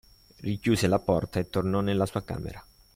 Richiuse la porta e tornò nella sua camera.